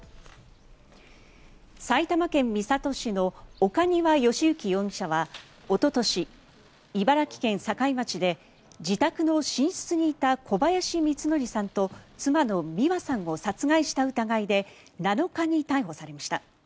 埼玉県三郷市の岡庭由征容疑者はおととし茨城県境町で自宅の寝室にいた小林光則さんと妻の美和さんを殺害した疑いで７日に逮捕されました。